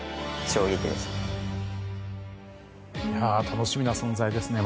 楽しみな存在ですね。